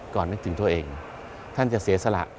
นึกถึงตัวเองท่านจะเสียสละ